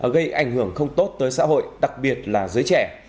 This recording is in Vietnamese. gây ảnh hưởng không tốt tới xã hội đặc biệt là giới trẻ